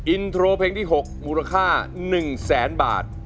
อินโทรเพลงที่๖มูลค่า๑แสนบาท